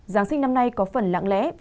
giáng sinh năm nay có phần lãng lẽ